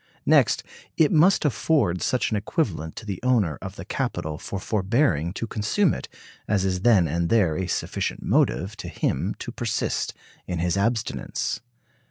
Next, it must afford such an equivalent to the owner of the capital for forbearing to consume it as is then and there a sufficient motive to him to persist in his abstinence.